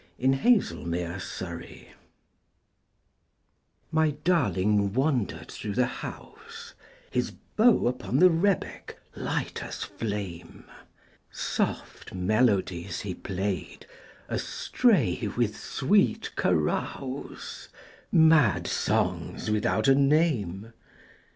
86 The Lover of Jalaluddin My darling wandered through the house, His bow upon the rebeck, light as flame. Soft melodies he played, astray with sweet carouse, Mad songs without a name.